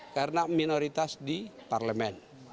karena minoritas di parlemen